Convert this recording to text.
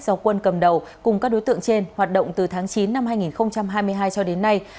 do quân cầm đầu cùng các đối tượng trên hoạt động từ tháng chín năm hai nghìn hai mươi hai cho đến nay